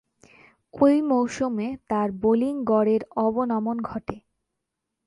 ঐ মৌসুমে তার বোলিং গড়ের অবনমন ঘটে।